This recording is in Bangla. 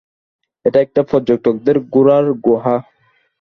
এটা একটা পর্যটকদের ঘোরার গুহা।